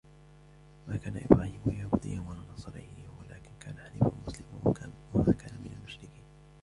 مَا كَانَ إِبْرَاهِيمُ يَهُودِيًّا وَلَا نَصْرَانِيًّا وَلَكِنْ كَانَ حَنِيفًا مُسْلِمًا وَمَا كَانَ مِنَ الْمُشْرِكِينَ